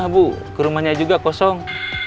cuma bu ke rumahnya juga kosong